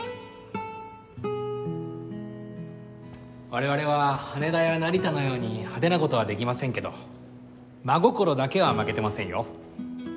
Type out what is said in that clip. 我々は羽田や成田のように派手な事はできませんけど真心だけは負けてませんよ。